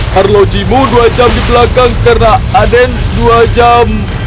harloji mu dua jam di belakang karena adem dua jam